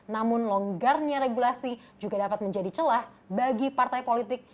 namun longgarnya regulasi juga dapat menjadi celah bagi partai politik